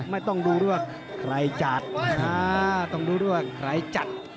ไม่ต้องดูด้วยว่าใครจัด